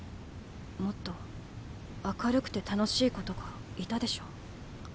もっと明るくて楽しい子とかいたでしょ？